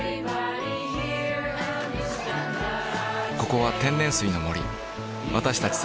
ここは天然水の森私たち